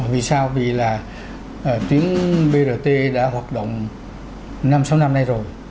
vì sao vì là tuyến brt đã hoạt động năm sáu năm nay rồi